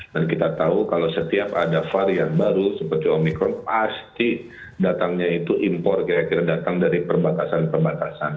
dan kita tahu kalau setiap ada varian baru seperti omikron pasti datangnya itu impor kira kira datang dari perbatasan perbatasan